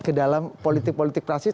ke dalam politik politik prasis